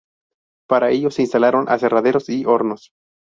Para ello se instalaron aserraderos y hornos.